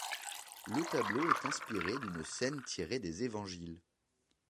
Le tableau est inspiré d'une scène tirée des Évangiles.